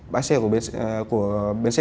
bãi xe của bến xe